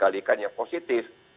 sampel dikalikan yang positif